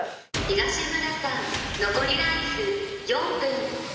東村さん残りライフ４分。